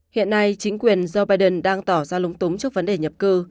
hiện nay chính quyền joe biden đang tỏ ra lúng túng trước vấn đề nhập cư